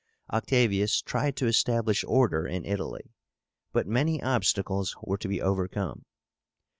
Octavius tried to establish order in Italy, but many obstacles were to be overcome.